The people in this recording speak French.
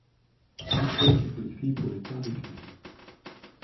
Huit clubs se qualifient pour les quarts de finale.